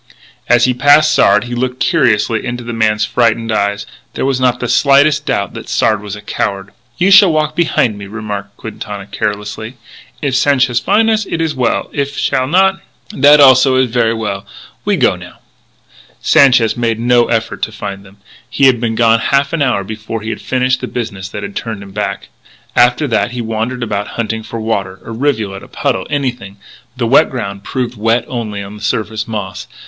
As he passed Sard he looked curiously into the man's frightened eyes. There was not the slightest doubt that Sard was a coward. "You shall walk behin' me," remarked Quintana carelessly. "If Sanchez fin' us, it is well; if he shall not, that also is ver' well.... We go, now." Sanchez made no effort to find them. They had been gone half an hour before he had finished the business that had turned him back. After that he wandered about hunting for water a rivulet, a puddle, anything. But the wet ground proved wet only on the surface moss.